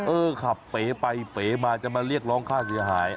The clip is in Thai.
เออขับเป๋ไปเป๋มาจะมาเรียกร้องค่าเสียหาย